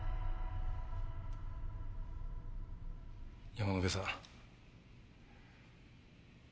山之辺さん。